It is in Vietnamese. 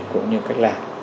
cũng như cách làm